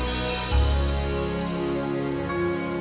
sampai jumpa lagi